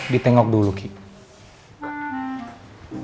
ditengok dulu kiki